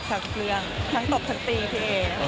ทุกเรื่องทั้งตบทั้งตีพี่เอ